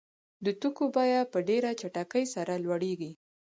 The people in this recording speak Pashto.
د توکو بیه په ډېره چټکۍ سره لوړېږي